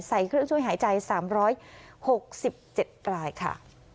ใส่เครื่องช่วยหายใจสามร้อยหกสิบเจ็ดรายค่ะ